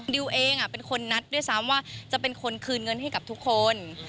ดิวเองเป็นคนนัดด้วยซ้ำว่าจะเป็นคนคืนเงินให้กับทุกคน